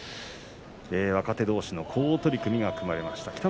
若手どうしの好取組が組まれました。